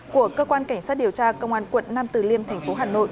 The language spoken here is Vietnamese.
của cơ quan cảnh sát điều tra công an quận nam từ liêm thành phố hà nội